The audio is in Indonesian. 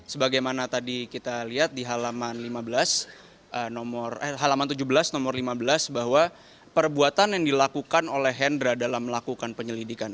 sebagaimana tadi kita lihat di halaman lima belas halaman tujuh belas nomor lima belas bahwa perbuatan yang dilakukan oleh hendra dalam melakukan penyelidikan